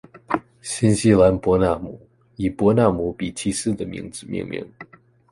新西兰伯纳姆以伯纳姆·比奇斯的名字命名。